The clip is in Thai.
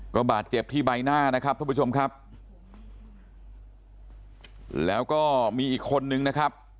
ก็บาดเจ็บที่ใบหน้านะครับท่านผู้ชมครับแล้วก็มีอีกคนนึงนะครับ